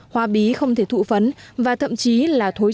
hoa bí không thể thụ phấn và thậm chí là thuốc bóng